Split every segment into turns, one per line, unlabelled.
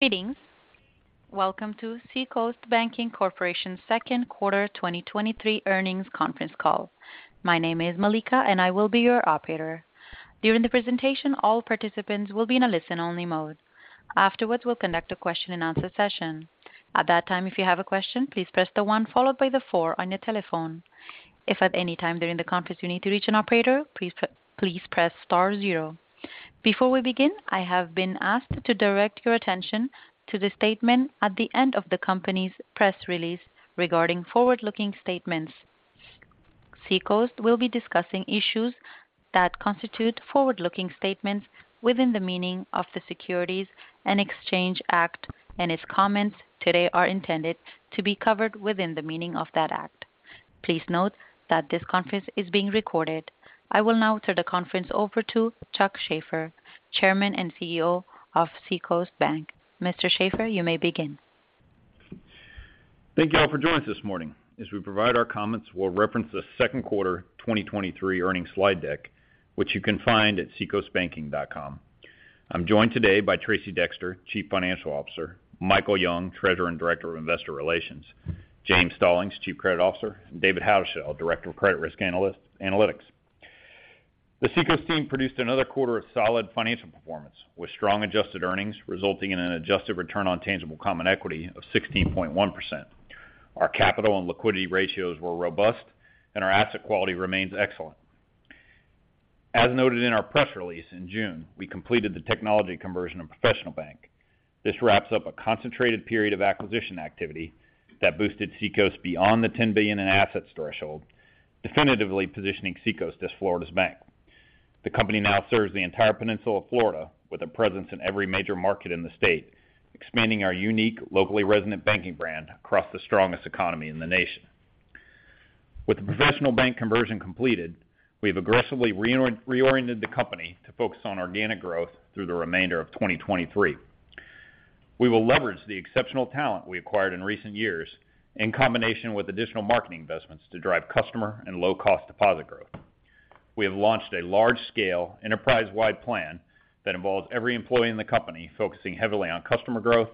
Greetings. Welcome to Seacoast Banking Corporation's second quarter 2023 earnings conference call. My name is Malika, and I will be your operator. During the presentation, all participants will be in a listen-only mode. Afterwards, we'll conduct a question-and-answer session. At that time, if you have a question, please press the one followed by the four on your telephone. If at any time during the conference, you need to reach an operator, please press star zero. Before we begin, I have been asked to direct your attention to the statement at the end of the company's press release regarding forward-looking statements. Seacoast will be discussing issues that constitute forward-looking statements within the meaning of the Securities Exchange Act, and its comments today are intended to be covered within the meaning of that act. Please note that this conference is being recorded. I will now turn the conference over to Chuck Shaffer, Chairman and CEO of Seacoast Bank. Mr. Shaffer, you may begin.
Thank you all for joining us this morning. As we provide our comments, we'll reference the second quarter 2023 earnings slide deck, which you can find at seacoastbanking.com. I'm joined today by Tracey Dexter, Chief Financial Officer; Michael Young, Treasurer and Director of Investor Relations; James Stallings, Chief Credit Officer; and David Houdeshell, Director of Credit Risk Analytics. The Seacoast team produced another quarter of solid financial performance, with strong adjusted earnings resulting in an adjusted return on tangible common equity of 16.1%. Our capital and liquidity ratios were robust, and our asset quality remains excellent. As noted in our press release in June, we completed the technology conversion of Professional Bank. This wraps up a concentrated period of acquisition activity that boosted Seacoast beyond the $10 billion in assets threshold, definitively positioning Seacoast as Florida's bank. The company now serves the entire peninsula of Florida, with a presence in every major market in the state, expanding our unique, locally resonant banking brand across the strongest economy in the nation. With the Professional Bank conversion completed, we've aggressively reoriented the company to focus on organic growth through the remainder of 2023. We will leverage the exceptional talent we acquired in recent years in combination with additional marketing investments to drive customer and low-cost deposit growth. We have launched a large-scale, enterprise-wide plan that involves every employee in the company, focusing heavily on customer growth,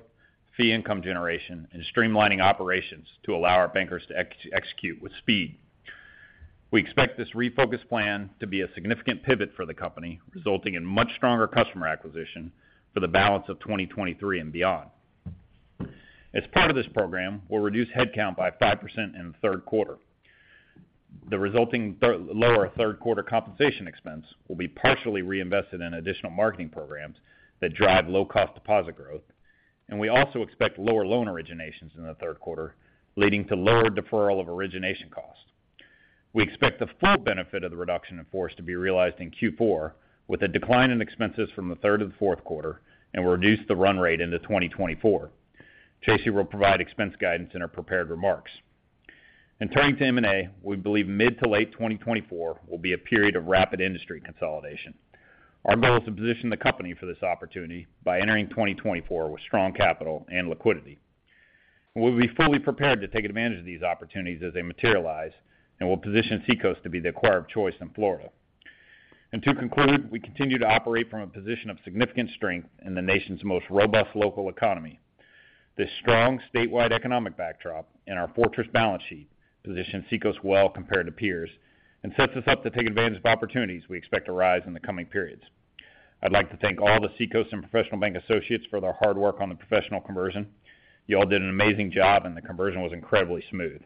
fee income generation, and streamlining operations to allow our bankers to execute with speed. We expect this refocused plan to be a significant pivot for the company, resulting in much stronger customer acquisition for the balance of 2023 and beyond. As part of this program, we'll reduce headcount by 5% in the third quarter. The resulting lower third quarter compensation expense will be partially reinvested in additional marketing programs that drive low-cost deposit growth. We also expect lower loan originations in the third quarter, leading to lower deferral of origination costs. We expect the full benefit of the reduction in force to be realized in Q4, with a decline in expenses from the third to the fourth quarter and reduce the run rate into 2024. Tracy will provide expense guidance in her prepared remarks. Turning to M&A, we believe mid to late 2024 will be a period of rapid industry consolidation. Our goal is to position the company for this opportunity by entering 2024 with strong capital and liquidity. We'll be fully prepared to take advantage of these opportunities as they materialize, and we'll position Seacoast to be the acquirer of choice in Florida. To conclude, we continue to operate from a position of significant strength in the nation's most robust local economy. This strong statewide economic backdrop and our fortress balance sheet position Seacoast well compared to peers and sets us up to take advantage of opportunities we expect to rise in the coming periods. I'd like to thank all the Seacoast and Professional Bank associates for their hard work on the Professional conversion. You all did an amazing job, and the conversion was incredibly smooth.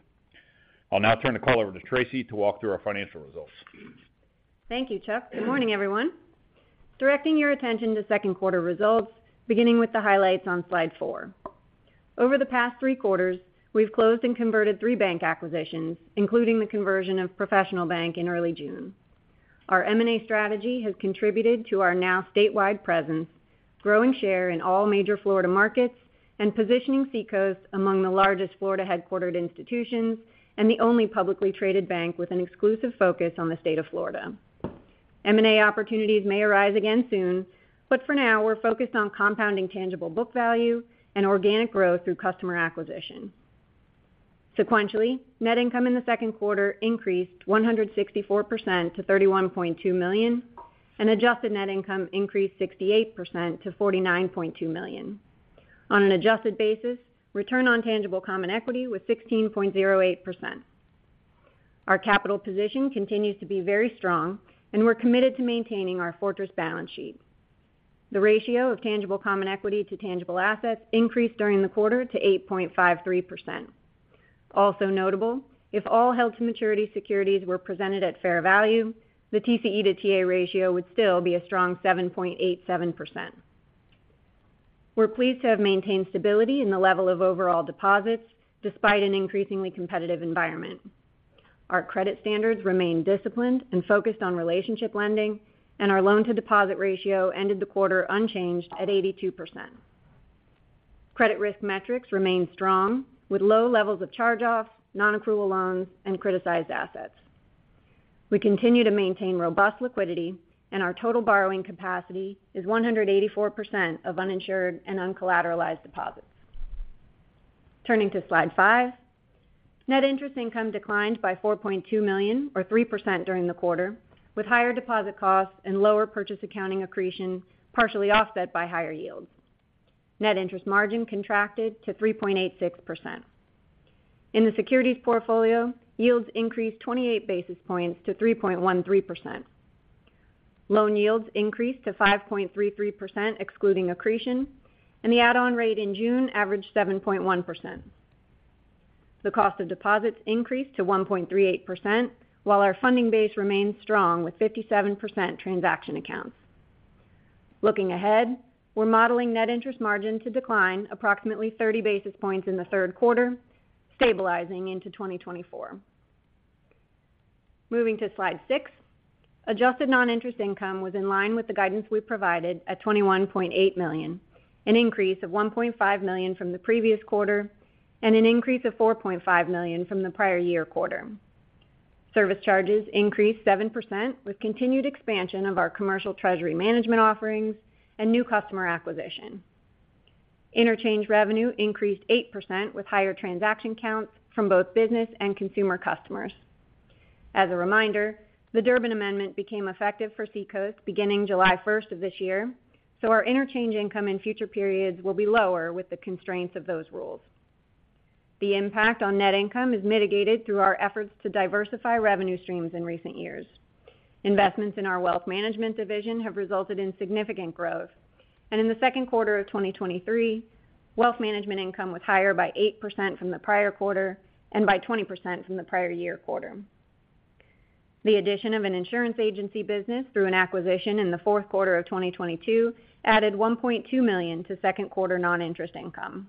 I'll now turn the call over to Tracy to walk through our financial results.
Thank you, Chuck. Good morning, everyone. Directing your attention to second quarter results, beginning with the highlights on slide 4. Over the past three quarters, we've closed and converted three bank acquisitions, including the conversion of Professional Bank in early June. Our M&A strategy has contributed to our now statewide presence, growing share in all major Florida markets, and positioning Seacoast among the largest Florida-headquartered institutions and the only publicly traded bank with an exclusive focus on the state of Florida. M&A opportunities may arise again soon, but for now, we're focused on compounding tangible book value and organic growth through customer acquisition. Sequentially, net income in the second quarter increased 164% to $31.2 million, and adjusted net income increased 68% to $49.2 million. On an adjusted basis, return on tangible common equity was 16.08%. Our capital position continues to be very strong, and we're committed to maintaining our fortress balance sheet. The ratio of tangible common equity to tangible assets increased during the quarter to 8.53%. Also notable, if all held-to-maturity securities were presented at fair value, the TCE to TA ratio would still be a strong 7.87%. We're pleased to have maintained stability in the level of overall deposits despite an increasingly competitive environment. Our credit standards remain disciplined and focused on relationship lending, and our loan-to-deposit ratio ended the quarter unchanged at 82%. Credit risk metrics remain strong, with low levels of charge-offs, nonaccrual loans, and criticized assets. We continue to maintain robust liquidity, and our total borrowing capacity is 184% of uninsured and uncollateralized deposits. Turning to slide 5. Net interest income declined by $4.2 million or 3% during the quarter, with higher deposit costs and lower purchase accounting accretion, partially offset by higher yields. Net interest margin contracted to 3.86%. In the securities portfolio, yields increased 28 basis points to 3.13%. Loan yields increased to 5.33%, excluding accretion, and the add-on rate in June averaged 7.1%. The cost of deposits increased to 1.38%, while our funding base remains strong with 57% transaction accounts. Looking ahead, we're modeling net interest margin to decline approximately 30 basis points in the third quarter, stabilizing into 2024. Moving to slide 6. Adjusted non-interest income was in line with the guidance we provided at $21.8 million, an increase of $1.5 million from the previous quarter, and an increase of $4.5 million from the prior year quarter. Service charges increased 7%, with continued expansion of our commercial treasury management offerings and new customer acquisition. Interchange revenue increased 8%, with higher transaction counts from both business and consumer customers. As a reminder, the Durbin Amendment became effective for Seacoast beginning July 1st of this year, so our interchange income in future periods will be lower with the constraints of those rules. The impact on net income is mitigated through our efforts to diversify revenue streams in recent years. Investments in our wealth management division have resulted in significant growth, and in the second quarter of 2023, wealth management income was higher by 8% from the prior quarter and by 20% from the prior-year quarter. The addition of an insurance agency business through an acquisition in the fourth quarter of 2022 added $1.2 million to second quarter non-interest income.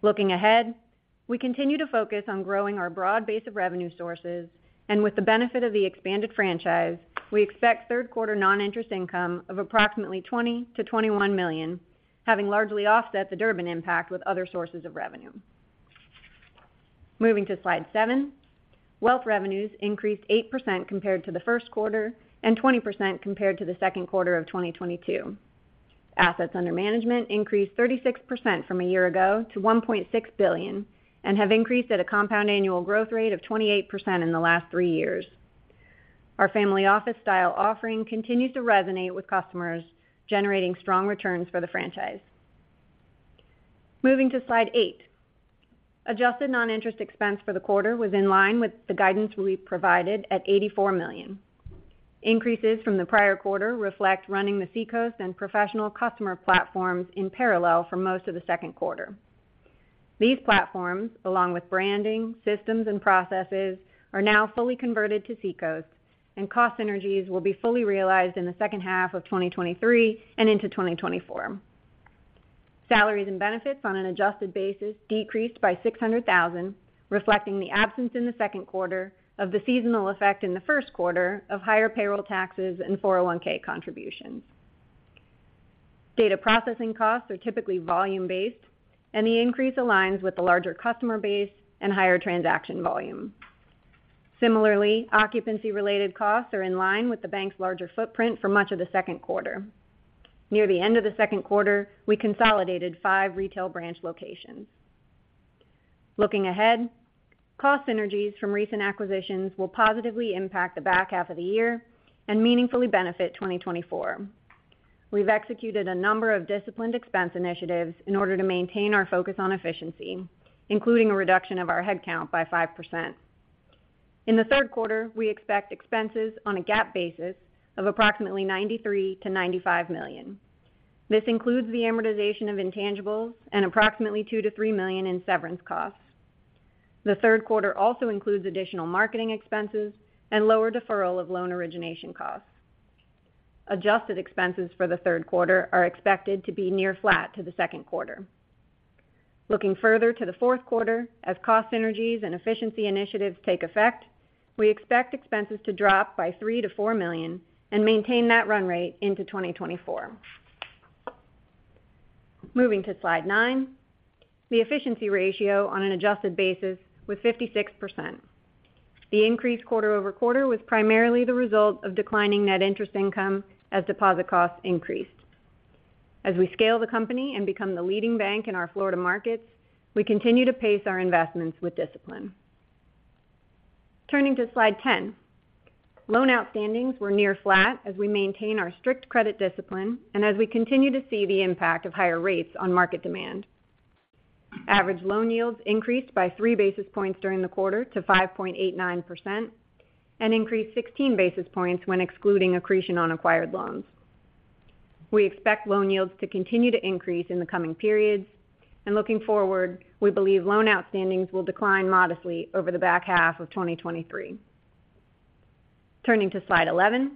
Looking ahead, we continue to focus on growing our broad base of revenue sources, and with the benefit of the expanded franchise, we expect third quarter non-interest income of approximately $20 to 21 million, having largely offset the Durbin impact with other sources of revenue. Moving to slide 7. Wealth revenues increased 8% compared to the first quarter and 20% compared to the second quarter of 2022. Assets under management increased 36% from a year ago to $1.6 billion, and have increased at a compound annual growth rate of 28% in the last three years. Our family office style offering continues to resonate with customers, generating strong returns for the franchise. Moving to slide 8. Adjusted non-interest expense for the quarter was in line with the guidance we provided at $84 million. Increases from the prior quarter reflect running the Seacoast and Professional customer platforms in parallel for most of the second quarter. These platforms, along with branding, systems, and processes, are now fully converted to Seacoast, and cost synergies will be fully realized in the second half of 2023 and into 2024. Salaries and benefits on an adjusted basis decreased by $600,000, reflecting the absence in the second quarter of the seasonal effect in the first quarter of higher payroll taxes and 401(k) contributions. Data processing costs are typically volume-based, and the increase aligns with the larger customer base and higher transaction volume. Similarly, occupancy-related costs are in line with the bank's larger footprint for much of the second quarter. Near the end of the second quarter, we consolidated 5 retail branch locations. Looking ahead, cost synergies from recent acquisitions will positively impact the back half of the year and meaningfully benefit 2024. We've executed a number of disciplined expense initiatives in order to maintain our focus on efficiency, including a reduction of our headcount by 5%. In the third quarter, we expect expenses on a GAAP basis of approximately $93 to 95 million. This includes the amortization of intangibles and approximately $2 to 3 million in severance costs. The third quarter also includes additional marketing expenses and lower deferral of loan origination costs. Adjusted expenses for the third quarter are expected to be near flat to the second quarter. Looking further to the fourth quarter, as cost synergies and efficiency initiatives take effect, we expect expenses to drop by $3 to 4 million and maintain that run rate into 2024. Moving to slide 9. The efficiency ratio on an adjusted basis was 56%. The increase quarter-over-quarter was primarily the result of declining net interest income as deposit costs increased. As we scale the company and become the leading bank in our Florida markets, we continue to pace our investments with discipline. Turning to slide 10. Loan outstandings were near flat as we maintain our strict credit discipline as we continue to see the impact of higher rates on market demand. Average loan yields increased by 3 basis points during the quarter to 5.89% and increased 16 basis points when excluding accretion on acquired loans. We expect loan yields to continue to increase in the coming periods. Looking forward, we believe loan outstandings will decline modestly over the back half of 2023. Turning to slide 11.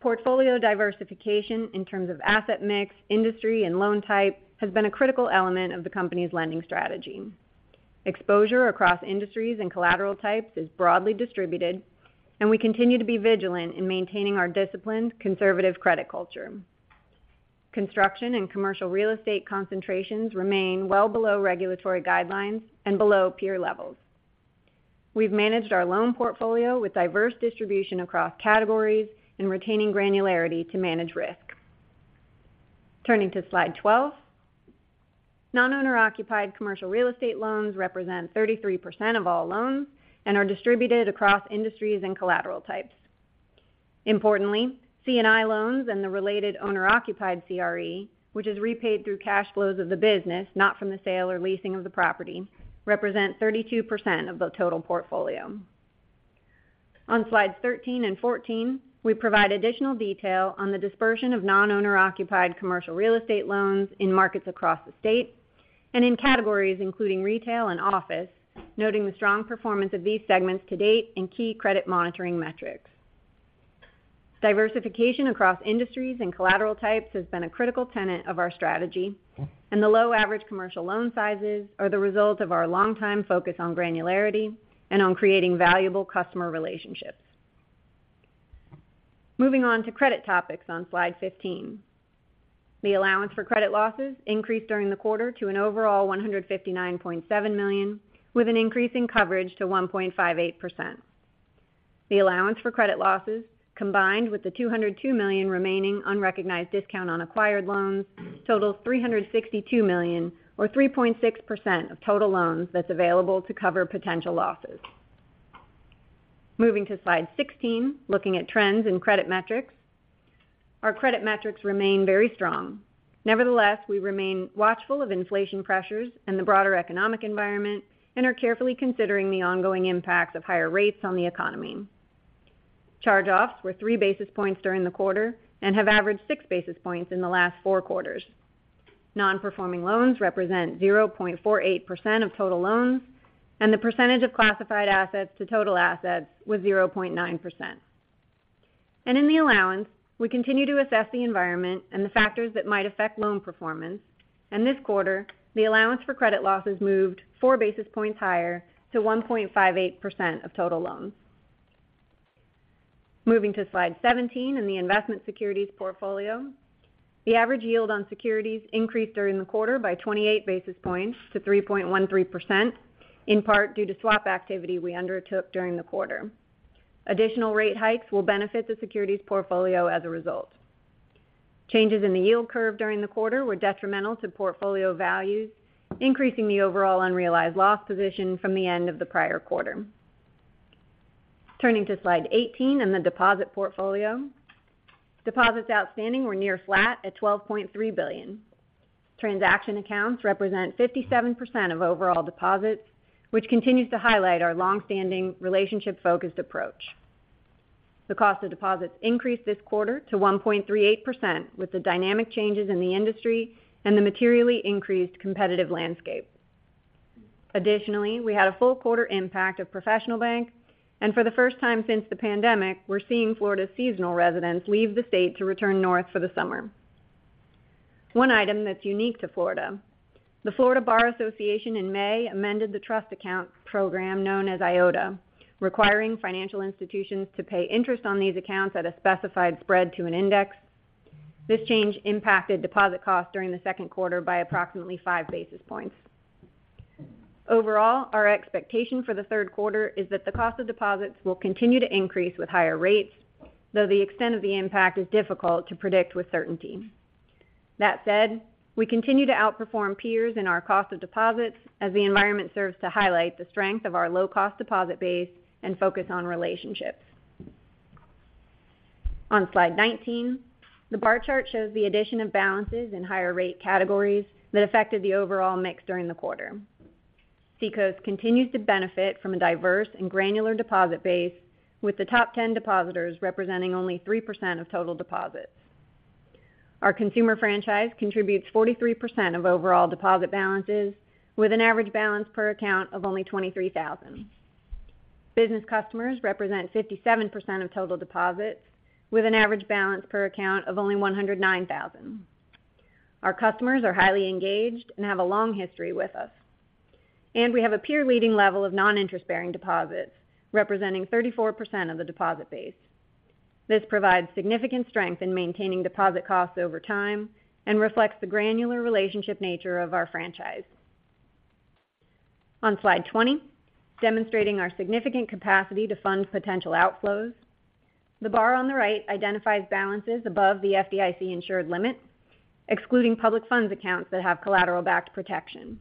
Portfolio diversification in terms of asset mix, industry, and loan type has been a critical element of the company's lending strategy. Exposure across industries and collateral types is broadly distributed. We continue to be vigilant in maintaining our disciplined, conservative credit culture. Construction and commercial real estate concentrations remain well below regulatory guidelines and below peer levels. We've managed our loan portfolio with diverse distribution across categories and retaining granularity to manage risk. Turning to Slide 12, non-owner-occupied commercial real estate loans represent 33% of all loans and are distributed across industries and collateral types. Importantly, C&I loans and the related owner-occupied CRE, which is repaid through cash flows of the business, not from the sale or leasing of the property, represent 32% of the total portfolio. On Slides 13 and 14, we provide additional detail on the dispersion of non-owner-occupied commercial real estate loans in markets across the state and in categories including retail and office, noting the strong performance of these segments to date and key credit monitoring metrics. Diversification across industries and collateral types has been a critical tenet of our strategy, and the low average commercial loan sizes are the result of our longtime focus on granularity and on creating valuable customer relationships. Moving on to credit topics on Slide 15. The allowance for credit losses increased during the quarter to an overall $159.7 million, with an increase in coverage to 1.58%. The allowance for credit losses, combined with the $202 million remaining unrecognized discount on acquired loans, totals $362 million, or 3.6% of total loans that's available to cover potential losses. Moving to Slide 16, looking at trends in credit metrics. Our credit metrics remain very strong. Nevertheless, we remain watchful of inflation pressures and the broader economic environment and are carefully considering the ongoing impacts of higher rates on the economy. Charge-offs were 3 basis points during the quarter and have averaged 6 basis points in the last 4 quarters. Non-performing loans represent 0.48% of total loans. The percentage of classified assets to total assets was 0.9%. In the allowance, we continue to assess the environment and the factors that might affect loan performance, and this quarter, the allowance for credit losses moved 4 basis points higher to 1.58% of total loans. Moving to Slide 17 and the investment securities portfolio. The average yield on securities increased during the quarter by 28 basis points to 3.13%, in part due to swap activity we undertook during the quarter. Additional rate hikes will benefit the securities portfolio as a result. Changes in the yield curve during the quarter were detrimental to portfolio values, increasing the overall unrealized loss position from the end of the prior quarter. Turning to Slide 18 and the deposit portfolio. Deposits outstanding were near flat at $12.3 billion. Transaction accounts represent 57% of overall deposits, which continues to highlight our long-standing relationship-focused approach. The cost of deposits increased this quarter to 1.38% with the dynamic changes in the industry and the materially increased competitive landscape. Additionally, we had a full quarter impact of Professional Bank, and for the first time since the pandemic, we're seeing Florida's seasonal residents leave the state to return north for the summer. One item that's unique to Florida: The Florida Bar in May amended the trust account program known as IOTA, requiring financial institutions to pay interest on these accounts at a specified spread to an index. This change impacted deposit costs during the second quarter by approximately 5 basis points. Overall, our expectation for the third quarter is that the cost of deposits will continue to increase with higher rates, though the extent of the impact is difficult to predict with certainty. That said, we continue to outperform peers in our cost of deposits as the environment serves to highlight the strength of our low-cost deposit base and focus on relationships. On Slide 19, the bar chart shows the addition of balances in higher rate categories that affected the overall mix during the quarter. Seacoast continues to benefit from a diverse and granular deposit base, with the top 10 depositors representing only 3% of total deposits. Our consumer franchise contributes 43% of overall deposit balances, with an average balance per account of only $23,000. Business customers represent 57% of total deposits, with an average balance per account of only $109,000. Our customers are highly engaged and have a long history with us. We have a peer-leading level of non-interest-bearing deposits, representing 34% of the deposit base. This provides significant strength in maintaining deposit costs over time and reflects the granular relationship nature of our franchise. On Slide 20, demonstrating our significant capacity to fund potential outflows, the bar on the right identifies balances above the FDIC insured limit, excluding public funds accounts that have collateral-backed protection.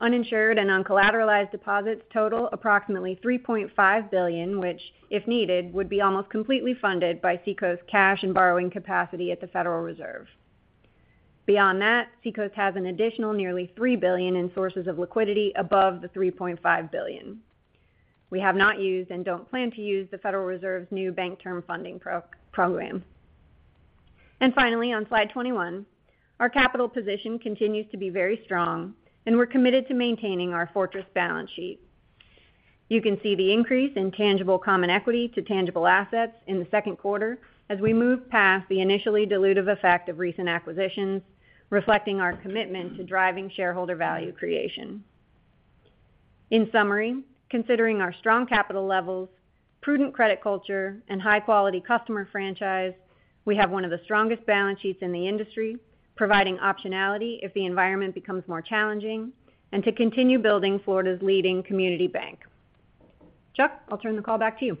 Uninsured and uncollateralized deposits total approximately $3.5 billion, which, if needed, would be almost completely funded by Seacoast's cash and borrowing capacity at the Federal Reserve. Beyond that, Seacoast has an additional nearly $3 billion in sources of liquidity above the $3.5 billion. We have not used and don't plan to use the Federal Reserve's new Bank Term Funding Program. Finally, on Slide 21, our capital position continues to be very strong, and we're committed to maintaining our fortress balance sheet. You can see the increase in tangible common equity to tangible assets in the second quarter as we move past the initially dilutive effect of recent acquisitions, reflecting our commitment to driving shareholder value creation. In summary, considering our strong capital levels,... prudent credit culture and high-quality customer franchise, we have one of the strongest balance sheets in the industry, providing optionality if the environment becomes more challenging, and to continue building Florida's leading community bank. Chuck, I'll turn the call back to you.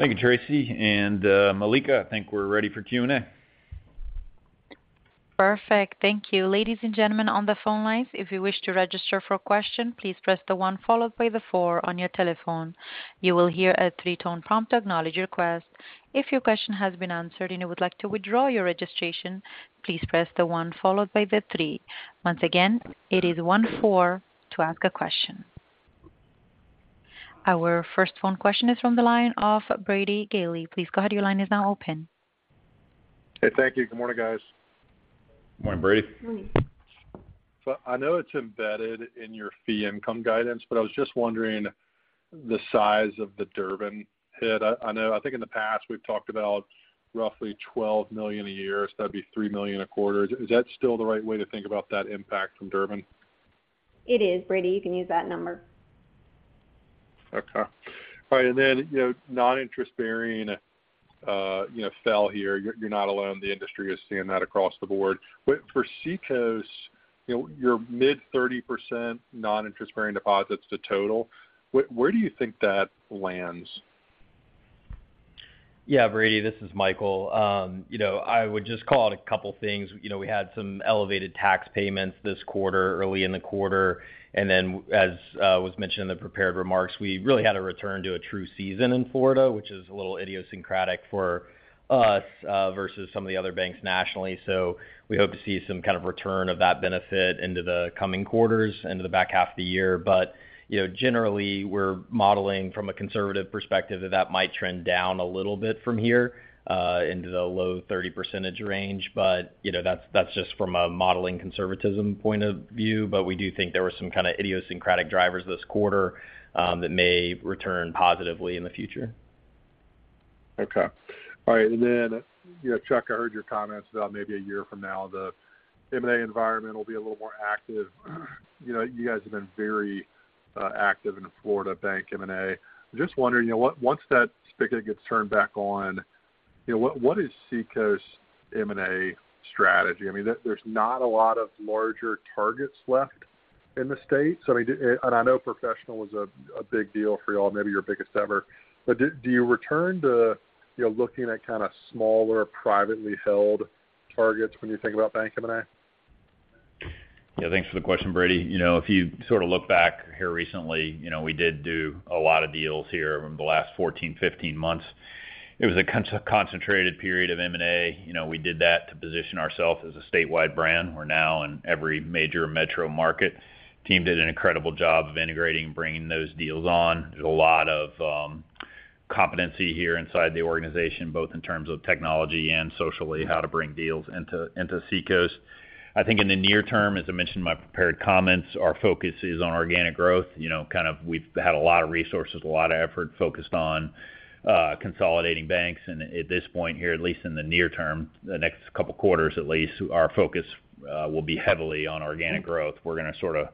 Thank you, Tracy and, Malika, I think we're ready for Q&A.
Perfect. Thank you. Ladies and gentlemen, on the phone lines, if you wish to register for a question, please press the one followed by the four on your telephone. You will hear a 3-tone prompt to acknowledge your request. If your question has been answered, and you would like to withdraw your registration, please press the one followed by the three. Once again, it is one, four to ask a question. Our first phone question is from the line of Brady Gailey. Please go ahead. Your line is now open.
Hey, thank you. Good morning, guys.
Good morning, Brady.
Good morning.
I know it's embedded in your fee income guidance, but I was just wondering the size of the Durbin hit. I think in the past, we've talked about roughly $12 million a year, so that'd be $3 million a quarter. Is that still the right way to think about that impact from Durbin?
It is, Brady. You can use that number.
Okay. All right, then, you know, non-interest-bearing, you know, fell here. You're, you're not alone. The industry is seeing that across the board. For Seacoast, you know, your mid 30% non-interest-bearing deposits to total, where, where do you think that lands?
Yeah, Brady, this is Michael. You know, I would just call it a couple of things. You know, we had some elevated tax payments this quarter, early in the quarter, and then as was mentioned in the prepared remarks, we really had to return to a true season in Florida, which is a little idiosyncratic for us versus some of the other banks nationally. We hope to see some kind of return of that benefit into the coming quarters, into the back half of the year. You know, generally, we're modeling from a conservative perspective, that, that might trend down a little bit from here into the low 30% range. You know, that's, that's just from a modeling conservatism point of view, but we do think there were some kind of idiosyncratic drivers this quarter, that may return positively in the future.
Okay. All right, then, you know, Chuck, I heard your comments about maybe a year from now, the M&A environment will be a little more active. You know, you guys have been very active in the Florida bank M&A. Just wondering, you know, once that spigot gets turned back on, you know, what, what is Seacoast M&A strategy? I mean, there, there's not a lot of larger targets left in the state. I mean, I know Professional was a, a big deal for you all, maybe your biggest ever. Do, do you return to, you know, looking at kind of smaller, privately held targets when you think about bank M&A?
Yeah, thanks for the question, Brady. You know, if you sort of look back here recently, you know, we did do a lot of deals here over the last 14 to 15 months. It was a concentrated period of M&A. You know, we did that to position ourselves as a statewide brand. We're now in every major metro market. Team did an incredible job of integrating, bringing those deals on. There's a lot of competency here inside the organization, both in terms of technology and socially, how to bring deals into, into Seacoast. I think in the near term, as I mentioned in my prepared comments, our focus is on organic growth. You know, kind of we've had a lot of resources, a lot of effort focused on consolidating banks. At this point here, at least in the near term, the next couple of quarters, at least, our focus will be heavily on organic growth. We're going to sort of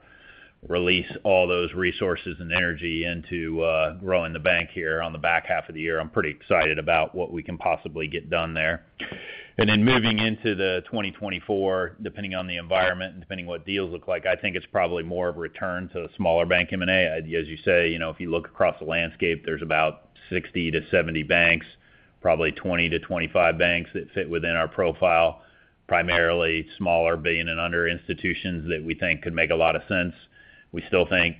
release all those resources and energy into growing the bank here on the back half of the year. I'm pretty excited about what we can possibly get done there. Then moving into 2024, depending on the environment, and depending on what deals look like, I think it's probably more of a return to smaller bank M&A. As you say, you know, if you look across the landscape, there's about 60 to 70 banks, probably 20 to 25 banks that fit within our profile, primarily smaller, $1 billion and under institutions that we think could make a lot of sense. We still think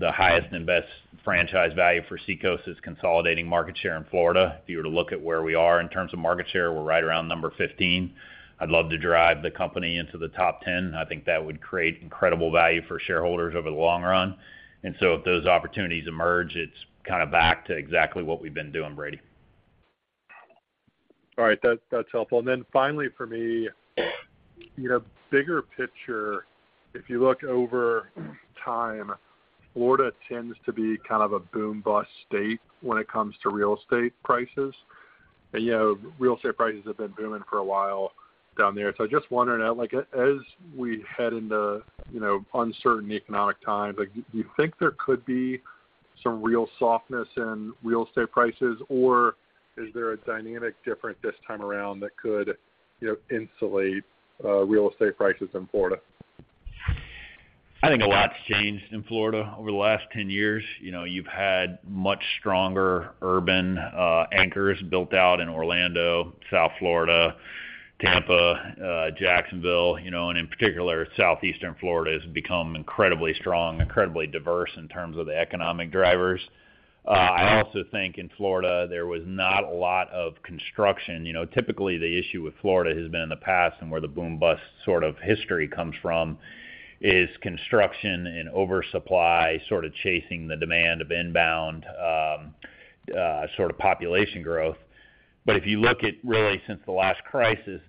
the highest and best franchise value for Seacoast is consolidating market share in Florida. If you were to look at where we are in terms of market share, we're right around number 15. I'd love to drive the company into the top 10. I think that would create incredible value for shareholders over the long run. So if those opportunities emerge, it's kind of back to exactly what we've been doing, Brady.
All right, that's, that's helpful. Then finally, for me, you know, bigger picture, if you look over time, Florida tends to be kind of a boom-bust state when it comes to real estate prices. You know, real estate prices have been booming for a while down there. I just wondering, like, as we head into, you know, uncertain economic times, like, do you think there could be some real softness in real estate prices, or is there a dynamic different this time around that could, you know, insulate, real estate prices in Florida?
I think a lot's changed in Florida over the last 10 years. You know, you've had much stronger urban anchors built out in Orlando, South Florida, Tampa, Jacksonville, you know, and in particular, Southeastern Florida has become incredibly strong, incredibly diverse in terms of the economic drivers. I also think in Florida, there was not a lot of construction. You know, typically, the issue with Florida has been in the past and where the boom-bust sort of history comes from, is construction and oversupply, sort of chasing the demand of inbound sort of population growth. If you look at really since the last crisis,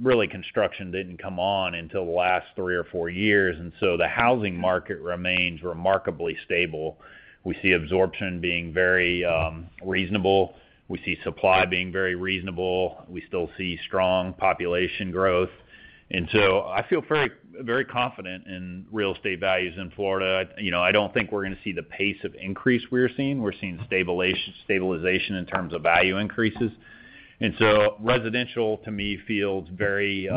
really, construction didn't come on until the last 3 or 4 years, and so the housing market remains remarkably stable. We see absorption being very reasonable. We see supply being very reasonable. We still see strong population growth. I feel very, very confident in real estate values in Florida. You know, I don't think we're going to see the pace of increase we're seeing. We're seeing stabilization in terms of value increases. Residential, to me, feels very,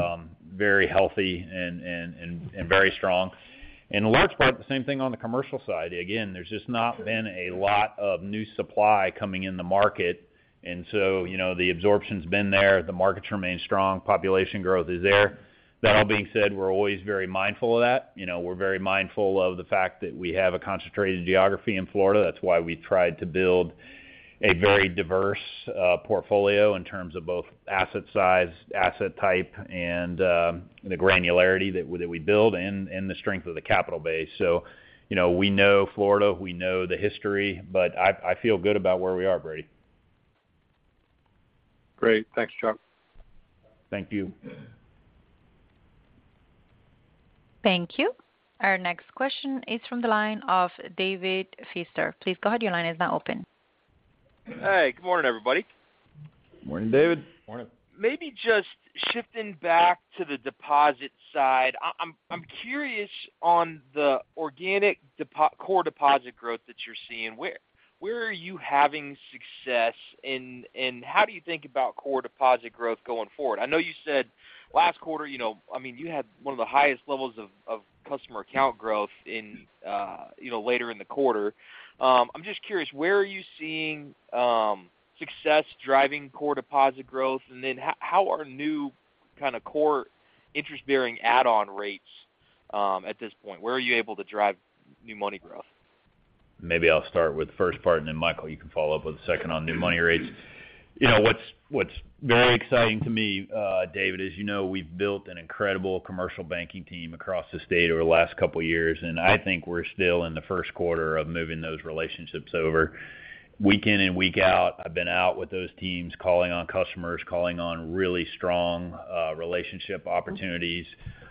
very healthy and very strong. In a large part, the same thing on the commercial side. Again, there's just not been a lot of new supply coming in the market, and so, you know, the absorption's been there, the markets remain strong, population growth is there. That all being said, we're always very mindful of that. You know, we're very mindful of the fact that we have a concentrated geography in Florida. That's why we tried to build a very diverse portfolio in terms of both asset size, asset type, and the granularity that we, that we build and the strength of the capital base. you know, we know Florida, we know the history, but I, I feel good about where we are, Brady.
Great. Thanks, Chuck.
Thank you.
Thank you. Our next question is from the line of David Feaster. Please go ahead, your line is now open.
Hey, good morning, everybody.
Morning, David.
Morning.
Maybe just shifting back to the deposit side. I'm curious on the organic core deposit growth that you're seeing. Where are you having success, and how do you think about core deposit growth going forward? I know you said last quarter, you know, I mean, you had one of the highest levels of, of customer account growth in, you know, later in the quarter. I'm just curious, where are you seeing, success driving core deposit growth? And then how are new kind of core interest-bearing add-on rates, at this point? Where are you able to drive new money growth?
Maybe I'll start with the first part, and then, Michael, you can follow up with the second on new money rates. You know, what's, what's very exciting to me, David, is, you know, we've built an incredible commercial banking team across the state over the last couple of years, and I think we're still in the first quarter of moving those relationships over. Week in and week out, I've been out with those teams, calling on customers, calling on really strong, relationship opportunities.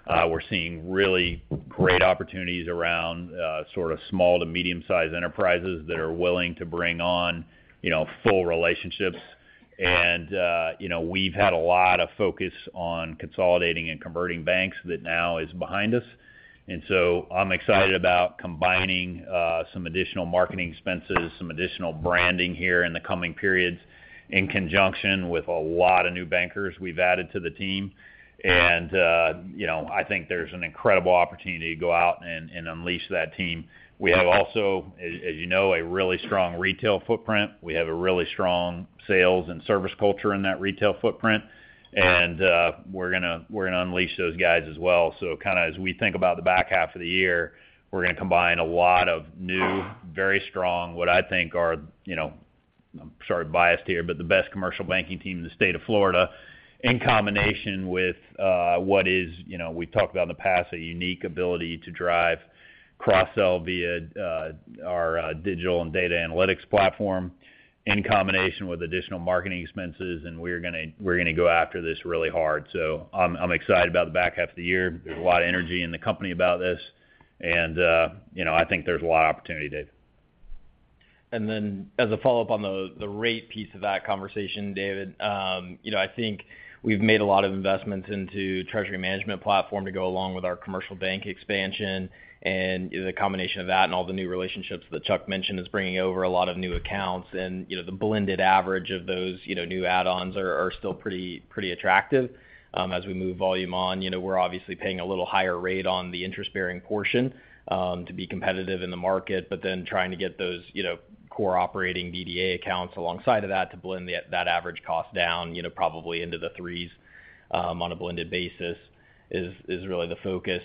We're seeing really great opportunities around, sort of small to medium-sized enterprises that are willing to bring on, you know, full relationships. You know, we've had a lot of focus on consolidating and converting banks that now is behind us. I'm excited about combining, some additional marketing expenses, some additional branding here in the coming periods, in conjunction with a lot of new bankers we've added to the team. You know, I think there's an incredible opportunity to go out and, and unleash that team. We have also, as, as you know, a really strong retail footprint. We have a really strong sales and service culture in that retail footprint, and, we're going to, we're going to unleash those guys as well. Kind of as we think about the back half of the year, we're going to combine a lot of new, very strong, what I think are, you know, I'm sort of biased here, but the best commercial banking team in the state of Florida, in combination with, what is, you know, we've talked about in the past, a unique ability to drive cross-sell via, our, digital and data analytics platform, in combination with additional marketing expenses, and we're going to, we're going to go after this really hard. I'm, I'm excited about the back half of the year. There's a lot of energy in the company about this, and, you know, I think there's a lot of opportunity, David.
Then as a follow-up on the, the rate piece of that conversation, David, you know, I think we've made a lot of investments into treasury management platform to go along with our commercial bank expansion. The combination of that and all the new relationships that Chuck mentioned, is bringing over a lot of new accounts. You know, the blended average of those, you know, new add-ons are, are still pretty, pretty attractive. As we move volume on, you know, we're obviously paying a little higher rate on the interest-bearing portion, to be competitive in the market, but then trying to get those, you know, core operating DDA accounts alongside of that to blend that average cost down, you know, probably into the 3s, on a blended basis, is, is really the focus.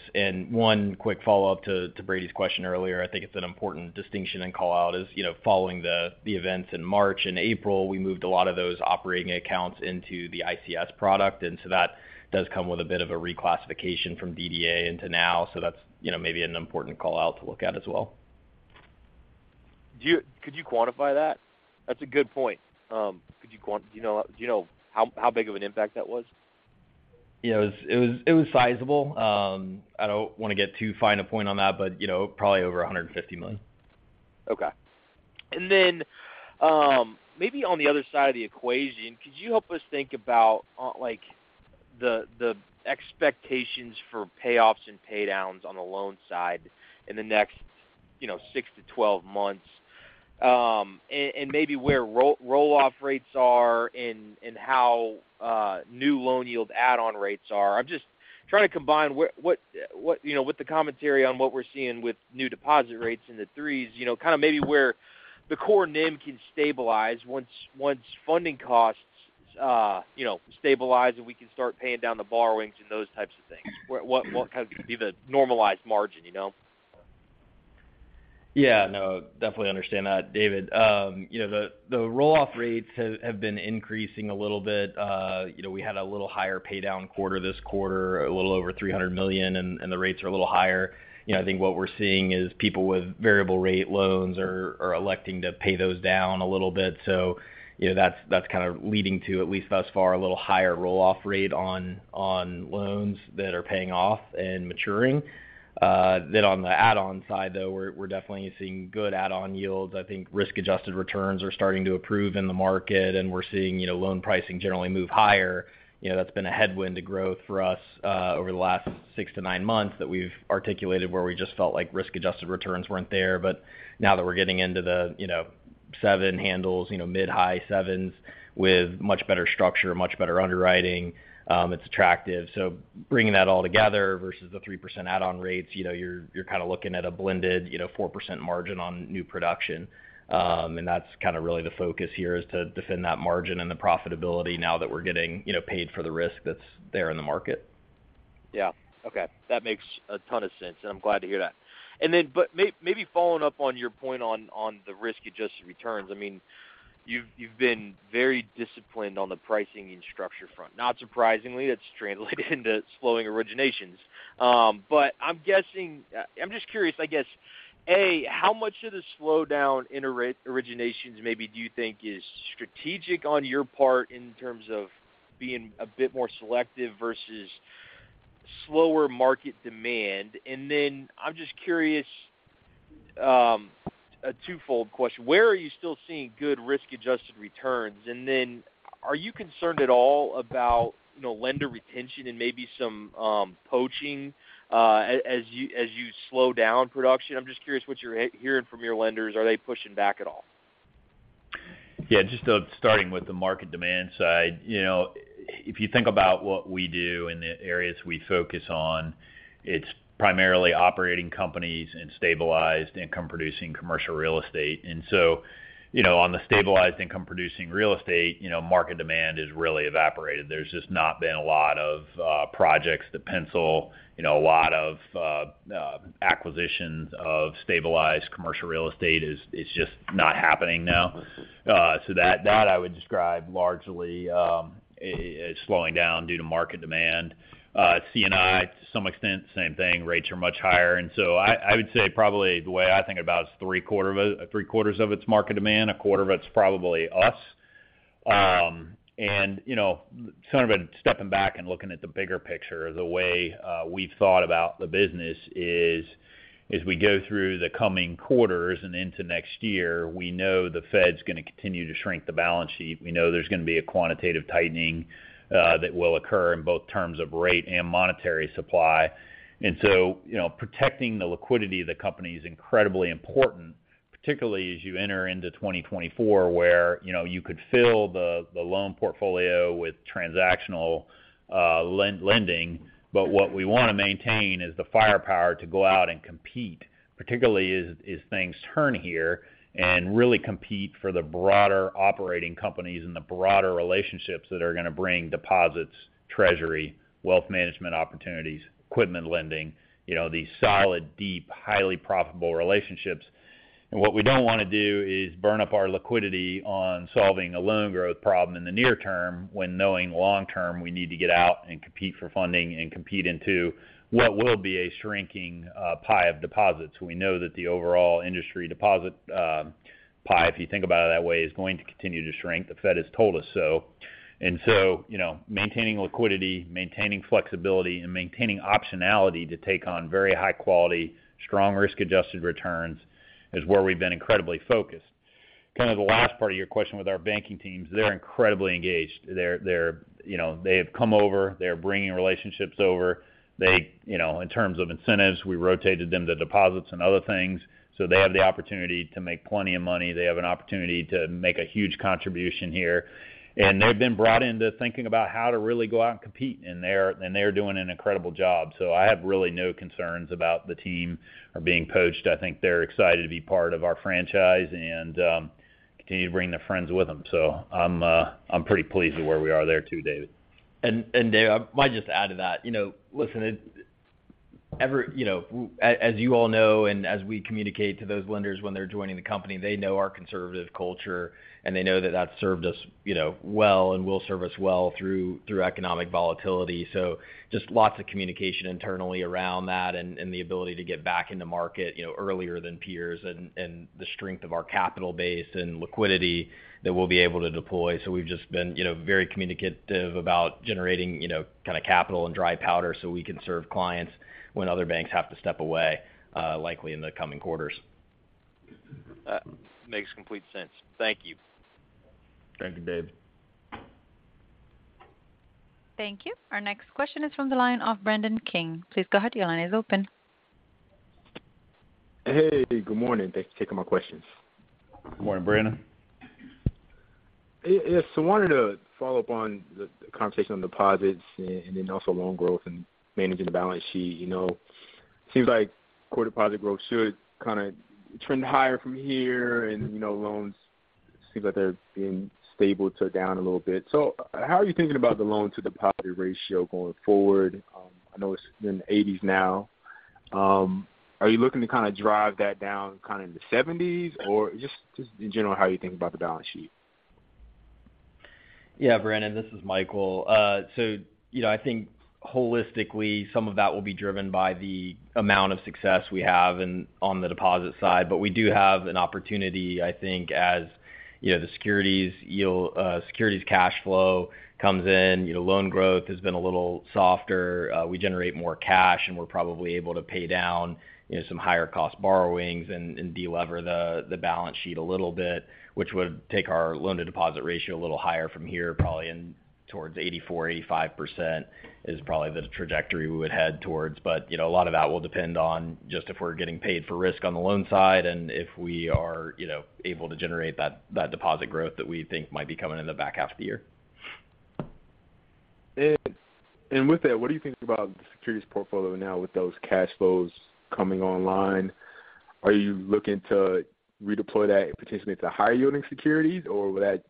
One quick follow-up to, to Brady's question earlier, I think it's an important distinction and call out, is, you know, following the, the events in March and April, we moved a lot of those operating accounts into the ICS product, and so that does come with a bit of a reclassification from DDA into now. That's, you know, maybe an important call out to look at as well.
Could you quantify that? That's a good point. Do you know, do you know how, how big of an impact that was?
Yeah, it was, it was, it was sizable. I don't want to get too fine a point on that, but, you know, probably over $150 million.
Okay. Maybe on the other side of the equation, could you help us think about, like, the expectations for payoffs and paydowns on the loan side in the next, you know, 6 to 12 months, and maybe where roll-off rates are and how new loan yield add-on rates are? I'm just trying to combine what, you know, with the commentary on what we're seeing with new deposit rates in the 3s, you know, kind of maybe where the core NIM can stabilize once funding costs, you know, stabilize, and we can start paying down the borrowings and those types of things. What kind of would be the normalized margin, you know?
Yeah, no, definitely understand that, David. You know, the, the roll-off rates have, have been increasing a little bit. You know, we had a little higher paydown quarter this quarter, a little over $300 million, and, and the rates are a little higher. You know, I think what we're seeing is people with variable rate loans are, are electing to pay those down a little bit. That's, that's kind of leading to, at least thus far, a little higher roll-off rate on, on loans that are paying off and maturing. On the add-on side, though, we're, we're definitely seeing good add-on yields. I think risk-adjusted returns are starting to improve in the market, and we're seeing, you know, loan pricing generally move higher. You know, that's been a headwind to growth for us, over the last six to nine months that we've articulated where we just felt like risk-adjusted returns weren't there. Now that we're getting into the, you know, 7 handles, you know, mid-high 7s with much better structure, much better underwriting, it's attractive. Bringing that all together versus the 3% add-on rates, you know, you're, you're kind of looking at a blended, you know, 4% margin on new production. That's kind of really the focus here, is to defend that margin and the profitability now that we're getting, you know, paid for the risk that's there in the market.
Yeah. Okay, that makes a ton of sense, and I'm glad to hear that. But maybe following up on your point on, on the risk-adjusted returns, I mean, you've, you've been very disciplined on the pricing and structure front. Not surprisingly, that's translated into slowing originations. I'm just curious, I guess, A, how much of the slowdown in originations maybe do you think is strategic on your part in terms of being a bit more selective versus slower market demand? I'm just curious, a twofold question: Where are you still seeing good risk-adjusted returns? Are you concerned at all about, you know, lender retention and maybe some poaching, as you, as you slow down production? I'm just curious what you're hearing from your lenders. Are they pushing back at all?
Yeah, just starting with the market demand side. You know, if you think about what we do and the areas we focus on, it's primarily operating companies and stabilized income-producing commercial real estate. So, you know, on the stabilized income-producing real estate, you know, market demand is really evaporated. There's just not been a lot of projects to pencil. You know, a lot of acquisitions of stabilized commercial real estate is, it's just not happening now. So that, that I would describe largely as slowing down due to market demand. C&I, to some extent, same thing. Rates are much higher. So I, I would say probably the way I think about it, is three-quarters of it's market demand, a quarter of it's probably us. You know, kind of stepping back and looking at the bigger picture, the way, we've thought about the business is, as we go through the coming quarters and into next year, we know the Fed's gonna continue to shrink the balance sheet. We know there's gonna be a quantitative tightening, that will occur in both terms of rate and monetary supply. You know, protecting the liquidity of the company is incredibly important, particularly as you enter into 2024, where, you know, you could fill the, the loan portfolio with transactional, lending. What we wanna maintain is the firepower to go out and compete, particularly as, as things turn here, and really compete for the broader operating companies and the broader relationships that are gonna bring deposits, treasury, wealth management opportunities, equipment lending, you know, these solid, deep, highly profitable relationships. What we don't want to do is burn up our liquidity on solving a loan growth problem in the near term, when knowing long term, we need to get out and compete for funding and compete into what will be a shrinking pie of deposits. We know that the overall industry deposit pie, if you think about it that way, is going to continue to shrink. The Fed has told us so. You know, maintaining liquidity, maintaining flexibility, and maintaining optionality to take on very high quality, strong risk-adjusted returns, is where we've been incredibly focused. Kind of the last part of your question with our banking teams, they're incredibly engaged. They're, you know, they have come over, they're bringing relationships over. They... You know, in terms of incentives, we rotated them to deposits and other things, they have the opportunity to make plenty of money. They have an opportunity to make a huge contribution here. They've been brought into thinking about how to really go out and compete, and they're doing an incredible job. I have really no concerns about the team or being poached. I think they're excited to be part of our franchise and continue to bring their friends with them. I'm pretty pleased with where we are there, too, David.
Dave, I might just add to that, you know, listen, it, ever, you know, as, as you all know, and as we communicate to those lenders when they're joining the company, they know our conservative culture, and they know that that's served us, you know, well and will serve us well through, through economic volatility. Just lots of communication internally around that and, and the ability to get back in the market, you know, earlier than peers and, and the strength of our capital base and liquidity that we'll be able to deploy. We've just been, you know, very communicative about generating, you know, kind of capital and dry powder so we can serve clients when other banks have to step away, likely in the coming quarters.
Makes complete sense. Thank you.
Thank you, Dave.
Thank you. Our next question is from the line of Brandon King. Please go ahead. Your line is open.
Hey, good morning. Thanks for taking my questions.
Good morning, Brandon.
Yes, I wanted to follow up on the conversation on deposits and, and then also loan growth and managing the balance sheet. You know, seems like core deposit growth should kind of trend higher from here and, you know, loans seem like they're being stable to down a little bit. How are you thinking about the loan-to-deposit ratio going forward? I know it's in the 80s now. Are you looking to kind of drive that down kind of in the 70s, or just, just in general, how are you thinking about the balance sheet?
Yeah, Brandon, this is Michael. You know, I think holistically, some of that will be driven by the amount of success we have in on the deposit side. We do have an opportunity, I think, as, you know, the securities yield securities cash flow comes in, you know, loan growth has been a little softer, we generate more cash, and we're probably able to pay down, you know, some higher cost borrowings and delever the balance sheet a little bit, which would take our loan-to-deposit ratio a little higher from here, probably in towards 84% to 85%, is probably the trajectory we would head towards. You know, a lot of that will depend on just if we're getting paid for risk on the loan side and if we are, you know, able to generate that, that deposit growth that we think might be coming in the back half of the year.
And with that, what do you think about the securities portfolio now with those cash flows coming online? Are you looking to redeploy that potentially to higher-yielding securities, or would that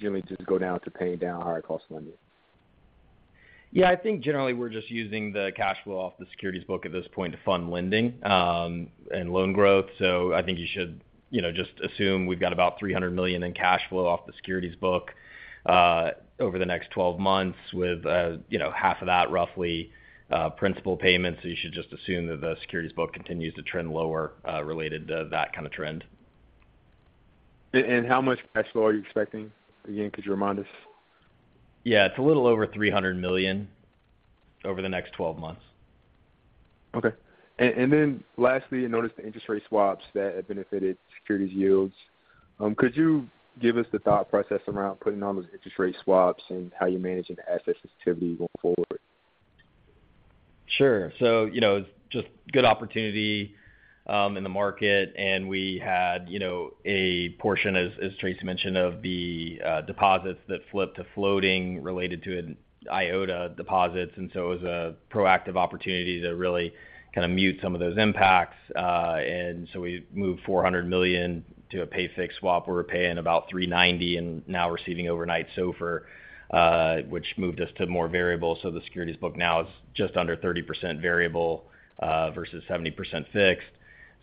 generally just go down to paying down higher cost lending?
Yeah, I think generally we're just using the cash flow off the securities book at this point to fund lending, and loan growth. I think you should, you know, just assume we've got about $300 million in cash flow off the securities book over the next 12 months with, you know, half of that roughly, principal payments. You should just assume that the securities book continues to trend lower, related to that kind of trend.
And how much cash flow are you expecting again? Could you remind us?
Yeah, it's a little over $300 million over the next 12 months.
Okay. Then lastly, I noticed the interest rate swaps that have benefited securities yields. Could you give us the thought process around putting on those interest rate swaps and how you're managing the asset sensitivity going forward?
Sure. you know, just good opportunity, in the market, and we had, you know, a portion, as, as Tracy mentioned, of the deposits that flipped to floating related to an IOTA deposits. It was a proactive opportunity to really kind of mute some of those impacts. We moved $400 million to a pay-fixed swap. We were paying about 3.90 and now receiving overnight SOFR, which moved us to more variable. The securities book now is just under 30% variable versus 70% fixed.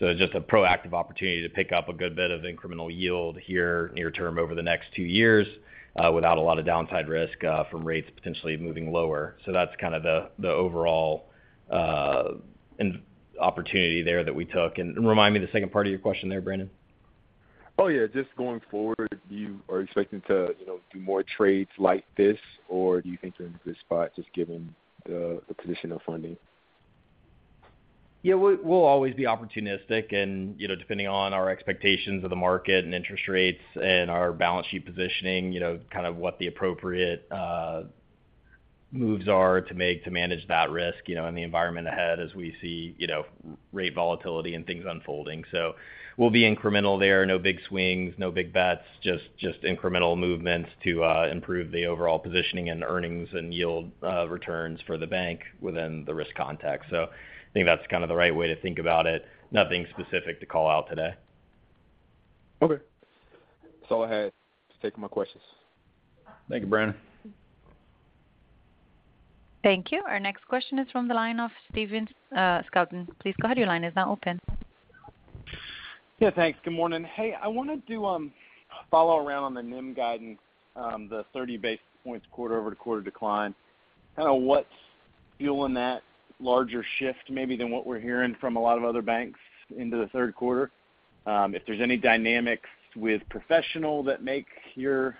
It's just a proactive opportunity to pick up a good bit of incremental yield here near term over the next 2 years, without a lot of downside risk from rates potentially moving lower. That's kind of the, the overall opportunity there that we took. Remind me the second part of your question there, Brandon.
Oh, yeah. Just going forward, you are expecting to, you know, do more trades like this, or do you think you're in a good spot just given the, the position of funding?
Yeah, we'll, we'll always be opportunistic and, you know, depending on our expectations of the market and interest rates and our balance sheet positioning, you know, kind of what the appropriate moves are to make to manage that risk, you know, in the environment ahead as we see, you know, rate volatility and things unfolding. We'll be incremental there. No big swings, no big bets, just, just incremental movements to improve the overall positioning and earnings and yield returns for the bank within the risk context. I think that's kind of the right way to think about it. Nothing specific to call out today.
Okay. That's all I had. Just take my questions.
Thank you, Brandon.
Thank you. Our next question is from the line of Stephen Scouten. Please go ahead. Your line is now open.
Yeah, thanks. Good morning. Hey, I wanted to follow around on the NIM guidance, the 30 basis points quarter-over-quarter decline. Kind of what's fueling that larger shift maybe than what we're hearing from a lot of other banks into the third quarter? If there's any dynamics with Professional Bank that make your,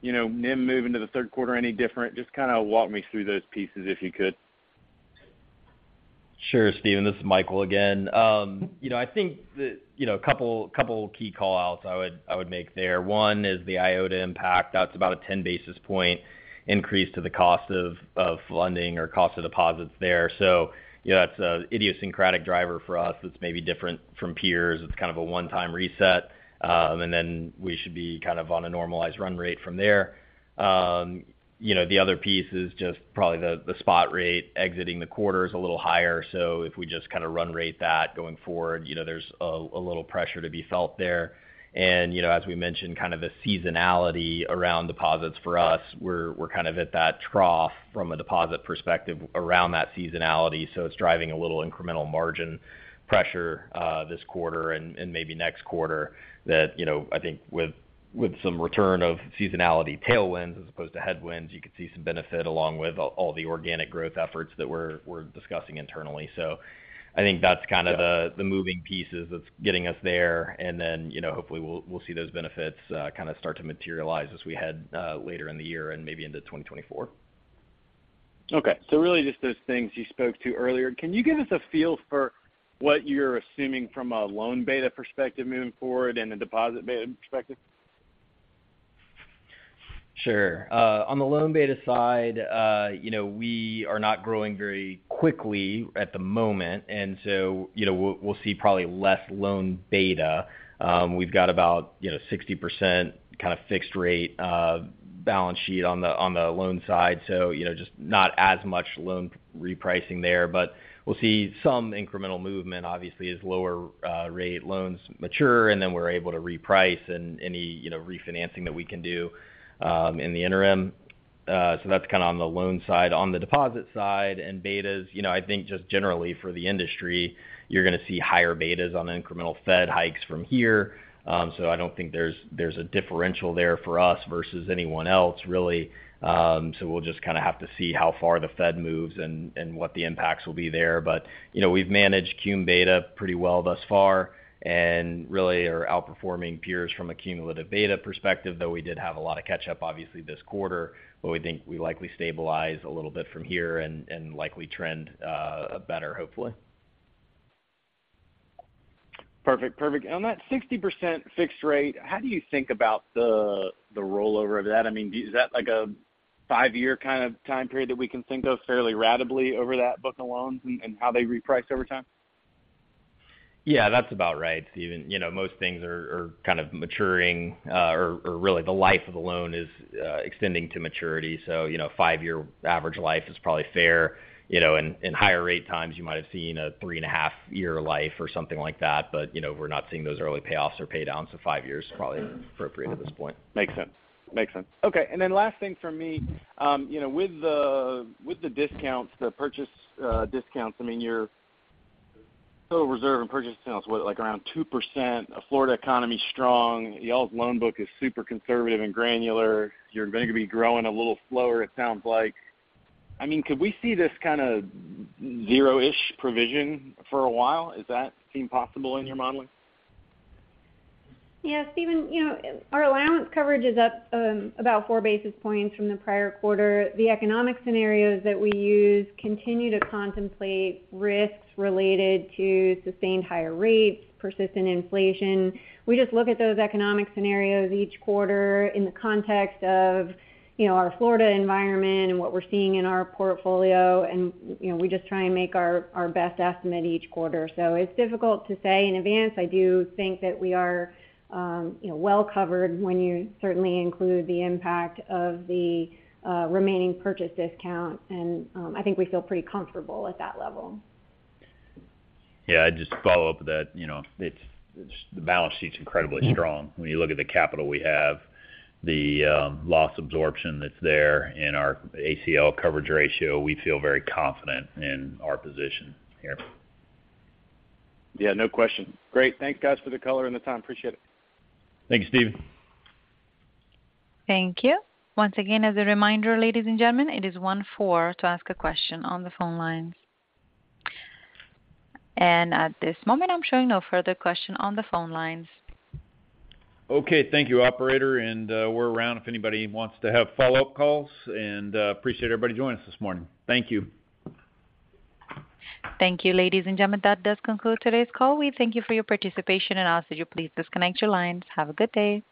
you know, NIM move into the third quarter any different? Just kind of walk me through those pieces, if you could.
Sure, Stephen, this is Michael again. You know, I think that, you know, a couple, couple key call-outs I would, I would make there. One is the IOTA impact. That's about a 10 basis point increase to the cost of, of funding or cost of deposits there. You know, that's a idiosyncratic driver for us that's maybe different from peers. It's kind of a one-time reset. And then we should be kind of on a normalized run rate from there. You know, the other piece is just probably the, the spot rate exiting the quarter is a little higher. If we just kind of run rate that going forward, you know, there's a, a little pressure to be felt there. You know, as we mentioned, kind of the seasonality around deposits for us, we're, we're kind of at that trough from a deposit perspective around that seasonality, so it's driving a little incremental margin pressure this quarter and, and maybe next quarter that, you know, I think with, with some return of seasonality tailwinds as opposed to headwinds, you could see some benefit along with all the organic growth efforts that we're, we're discussing internally. I think that's kind of the, the moving pieces that's getting us there. You know, hopefully we'll, we'll see those benefits kind of start to materialize as we head later in the year and maybe into 2024.
Okay, really just those things you spoke to earlier. Can you give us a feel for what you're assuming from a loan beta perspective moving forward and the deposit beta perspective?
Sure. On the loan beta side, you know, we are not growing very quickly at the moment, you know, we'll, we'll see probably less loan beta. We've got about, you know, 60% kind of fixed rate balance sheet on the loan side. You know, just not as much loan repricing there, but we'll see some incremental movement obviously, as lower rate loans mature, and then we're able to reprice and any, you know, refinancing that we can do in the interim. That's kind of on the loan side. On the deposit side and betas, you know, I think just generally for the industry, you're gonna see higher betas on the incremental Fed hikes from here. I don't think there's, there's a differential there for us versus anyone else, really. We'll just kind of have to see how far the Fed moves and, and what the impacts will be there. You know, we've managed cum beta pretty well thus far and really are outperforming peers from a cumulative beta perspective, though we did have a lot of catch up, obviously, this quarter. We think we likely stabilize a little bit from here and, and likely trend better, hopefully.
Perfect. Perfect. On that 60% fixed rate, how do you think about the, the rollover of that? I mean, is that like a 5-year kind of time period that we can think of fairly ratably over that book of loans and, and how they reprice over time?
Yeah, that's about right, Stephen. You know, most things are, are kind of maturing, or, or really, the life of the loan is, extending to maturity. You know, 5-year average life is probably fair. You know, in, in higher rate times, you might have seen a 3.5-year life or something like that. You know, we're not seeing those early payoffs or pay downs, so 5 years is probably appropriate at this point.
Makes sense. Makes sense. Okay, then last thing for me, you know, with the, with the discounts, the purchase discounts, I mean, your total reserve and purchase discounts, what, like around 2%? The Florida economy is strong. Y'all's loan book is super conservative and granular. You're going to be growing a little slower, it sounds like. I mean, could we see this kind of zero-ish provision for a while? Is that seem possible in your modeling?
Yeah, Stephen, you know, our allowance coverage is up, about 4 basis points from the prior quarter. The economic scenarios that we use continue to contemplate risks related to sustained higher rates, persistent inflation. We just look at those economic scenarios each quarter in the context of, you know, our Florida environment and what we're seeing in our portfolio, and, you know, we just try and make our, our best estimate each quarter. It's difficult to say in advance. I do think that we are, you know, well covered when you certainly include the impact of the remaining purchase discount, and I think we feel pretty comfortable at that level.
Yeah, I'd just follow up with that. You know, it's the balance sheet's incredibly strong. When you look at the capital we have, the loss absorption that's there in our ACL coverage ratio, we feel very confident in our position here.
Yeah, no question. Great. Thanks, guys, for the color and the time. Appreciate it.
Thank you, Stephen.
Thank you. Once again, as a reminder, ladies and gentlemen, it is one, four to ask a question on the phone lines. At this moment, I'm showing no further question on the phone lines.
Okay, thank you, operator, and, we're around if anybody wants to have follow-up calls, and, appreciate everybody joining us this morning. Thank you.
Thank you, ladies and gentlemen. That does conclude today's call. We thank you for your participation, and I'll ask you to please disconnect your lines. Have a good day.